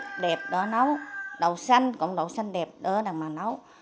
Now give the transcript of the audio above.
đậu xanh đẹp đó nấu đậu xanh cũng đậu xanh đẹp đó mà nấu